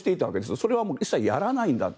それは一切やらないんだと。